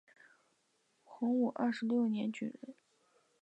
洪武二十六年举人。